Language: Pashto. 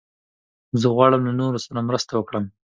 زه غواړم له نورو سره مرسته وکړم.